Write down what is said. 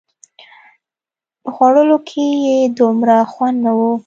په خوړلو کښې يې دومره خوند نه و.